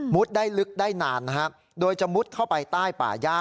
ได้ลึกได้นานนะครับโดยจะมุดเข้าไปใต้ป่าย่า